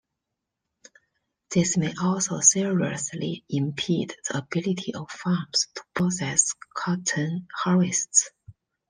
This may also seriously impede the ability of farms to process cotton harvests.